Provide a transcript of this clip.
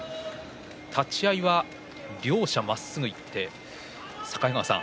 立ち合いは両者まっすぐいって境川さん